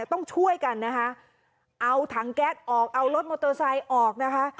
ต้องช่วยกันนะคะเอาถังแก๊สออกเอารถมอเตอร์ไซค์ออกนะคะ